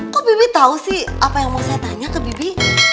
kok bibi tahu sih apa yang mau saya tanya ke bibi